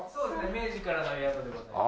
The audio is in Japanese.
明治からの宿でございます。